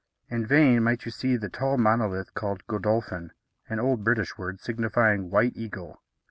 In vain might you seek the tall monolith called Godolphin, an old British word, signifying "white eagle."